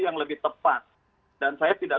yang lebih tepat dan saya tidak